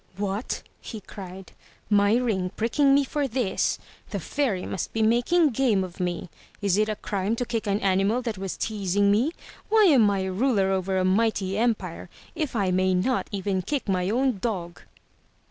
'*What!'' he cried. '*My ring pricking me for this! The Fairy must be making game of me! Is it a crime to kick an animal that was teasing me? Why am I ruler over a mighty empire if I may not even kick my own dog?